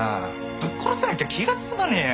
ぶっ殺さなきゃ気が済まねえよ！